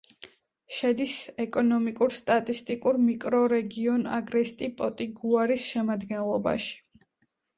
შედის ეკონომიკურ-სტატისტიკურ მიკრორეგიონ აგრესტი-პოტიგუარის შემადგენლობაში.